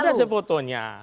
ada sih fotonya